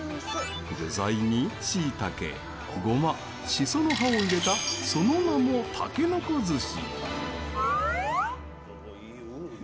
具材に、しいたけ、ごましその葉を入れたその名も「たけのこ寿司」。